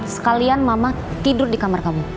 sekalian mama tidur di kamar kamu